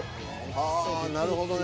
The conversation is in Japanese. あなるほどね。